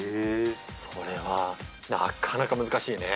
それは、なかなか難しいね。